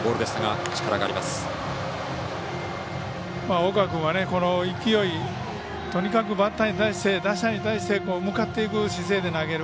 大川君は、この勢いとにかくバッターに対して向かっていく姿勢で投げる。